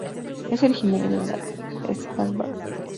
Es originario de las Svalbard.